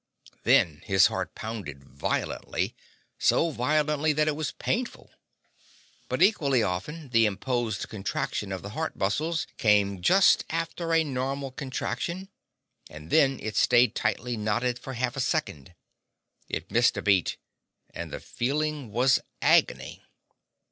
Then his heart pounded violently—so violently that it was painful. But equally often the imposed contraction of the heart muscles came just after a normal contraction, and then it stayed tightly knotted for half a second. It missed a beat, and the feeling was agony.